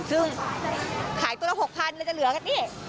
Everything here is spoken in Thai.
ซึ่งขายตัวละ๖๐๐๐เลยจะเหลือกันนี่